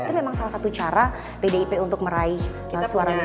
itu memang salah satu cara pdip untuk meraih suara golkar